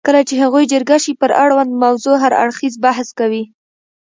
کله چې هغوی جرګه شي پر اړونده موضوع هر اړخیز بحث کوي.